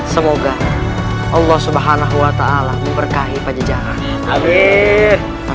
semoga allah swt memberkahi pada jajaran